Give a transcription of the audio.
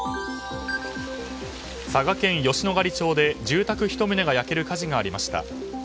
佐賀県吉野ヶ里町で住宅１棟が焼ける火事がありました。